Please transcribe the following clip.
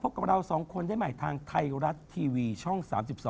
กับเราสองคนได้ใหม่ทางไทยรัฐทีวีช่อง๓๒